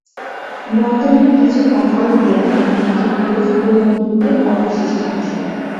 বর্তমানে কিছু পাথরের দেয়াল এবং একটি বুরুজ পুরনো দুর্গের অবশিষ্টাংশ।